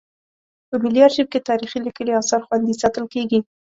په ملي ارشیف کې تاریخي لیکلي اثار خوندي ساتل کیږي.